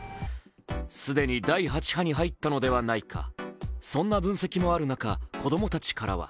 既に第８波に入ったのではないかそんな分析もある中、子供たちからは